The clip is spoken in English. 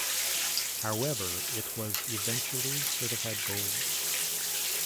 However, it was eventually certified gold.